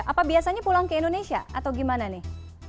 apa biasanya pulang ke indonesia atau gimana nih